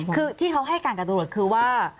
คือที่เขาให้กันกับโรศคือว่า